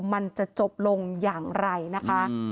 มันจะจบลงอย่างไรนะคะ